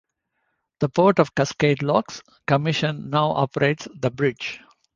The Port of Cascade Locks Commission now operates the bridge.